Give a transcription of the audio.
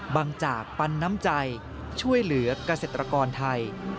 จากปันน้ำใจช่วยเหลือกเกษตรกรไทย